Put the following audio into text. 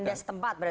pembes tempat berarti